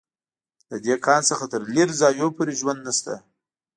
له دې کان څخه تر لېرې ځایونو پورې ژوند نشته